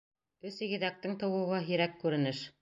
Өс игеҙәктең тыуыуы — һирәк күренеш.